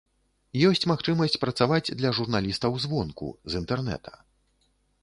Ёсць магчымасць працаваць для журналістаў звонку, з інтэрнэта.